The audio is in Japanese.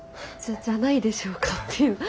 「じゃないでしょうか」っていう。